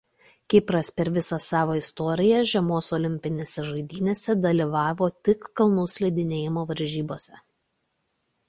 Kipras per visą savo istoriją žiemos olimpinėse žaidynėse dalyvavo tik kalnų slidinėjimo varžybose.